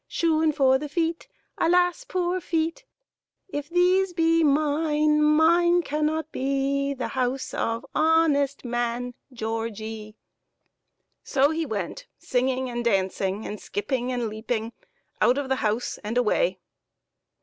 Shoen for the feet, alas poor feet ! If these be mine, mine cannot be The house of honest man, Georgie !" So he went singing and dan'cing, and skipping and leaping, out of the house and away.